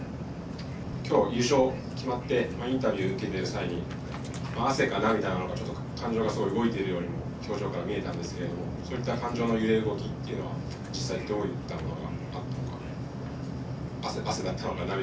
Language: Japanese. きょう優勝決まってインタビューを受けてる際に、汗か涙なのか、感情がすごい動いてるようにも、表情が見えたんですけれども、そういった感情の揺れ動きっていうのは、実際どういったものがあったのかなと。